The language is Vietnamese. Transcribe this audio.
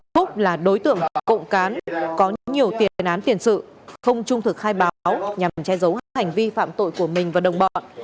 phúc là đối tượng cộng cán có nhiều tiền án tiền sự không trung thực khai báo nhằm che giấu hết hành vi phạm tội của mình và đồng bọn